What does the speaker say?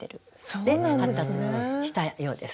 で発達したようです。